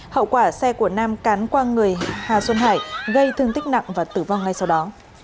hậu quả xe của nam cán qua người hà xuân hải gây thương tích nặng và tử vong ngay sau đó